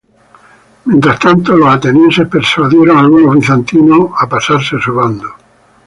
Mientras tanto, los atenienses persuadieron a algunos bizantinos a pasarse a su bando.